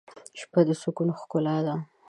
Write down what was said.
شپه د سکون ښکلا ده.